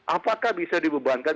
apakah bisa dibebankan